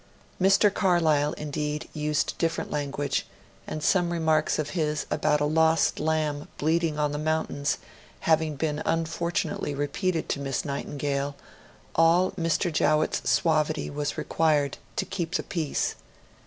Mr. Carlyle, indeed, used different language, and some remarks of his about a lost lamb bleating on the mountains, having been unfortunately repeated to Miss Nightingale, required all Mr. Jowett's suavity to keep the peace.